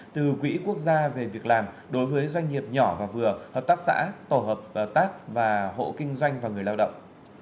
từ quỹ quốc gia về việc làm đối với doanh nghiệp nhỏ và vừa hợp tác xã tổ hợp tác và hộ kinh doanh và người lao động